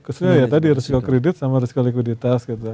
tadi ya tadi resiko kredit sama resiko likuiditas gitu